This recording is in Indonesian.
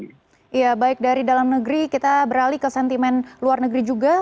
iya baik dari dalam negeri kita beralih ke sentimen luar negeri juga